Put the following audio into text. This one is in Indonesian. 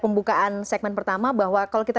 pembukaan segmen pertama bahwa kalau kita